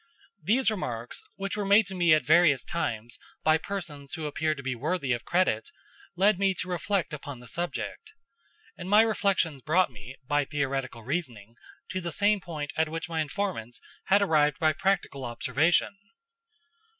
These remarks, which were made to me at various times by persons who appeared to be worthy of credit, led me to reflect upon the subject; and my reflections brought me, by theoretical reasoning, to the same point at which my informants had arrived by practical observation.